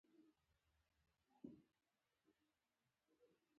بکسونه دې لومړی تول او بورډنګ واخلي.